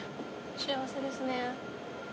幸せですね。